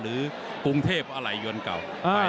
ประกอบกรุงเทพอะไรย้อนเก่า